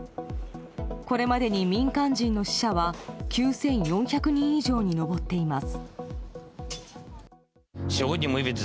これまでに民間人の死者は９４００人以上に上っています。